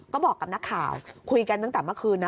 ก็บอกกับนักข่าวคุยกันตั้งแต่เมื่อคืนนะ